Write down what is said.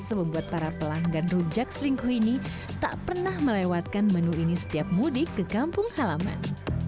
yang membuat para pelanggan rujak selingkuh ini tak pernah melewatkan menu ini setiap mudik ke kampung halaman